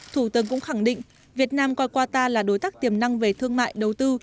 thủ tướng cũng khẳng định việt nam coi quata là đối tác tiềm năng về thương mại đầu tư